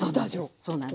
そうなんです。